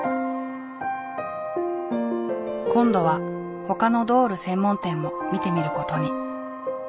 今度はほかのドール専門店も見てみることに。